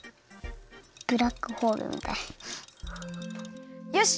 ブラックホールみたい。